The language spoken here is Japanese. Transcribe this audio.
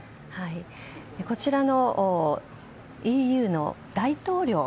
こちらのＥＵの大統領。